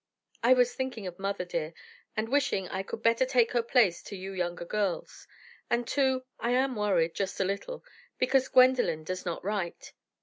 "I was thinking of Mother, dear, and wishing I could better take her place to you younger girls, and too, I am worried, just a little, because Gwendolyn does not write.